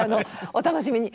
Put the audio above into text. お楽しみに。